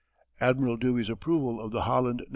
Admiral Dewey's approval of the _Holland No.